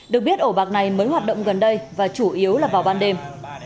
được biết ổ bạc này mới hoạt động gần đây và chủ yếu là vào ban đêm